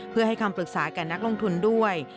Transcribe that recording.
เพื่อให้คำปรึกษาแก่นักลงทุนด้วย